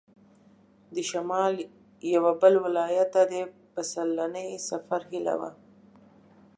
د شمال یوه بل ولایت ته د پسرلني سفر هیله وه.